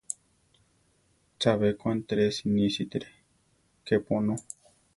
Chabé ko Antresi nisítire kepu onó.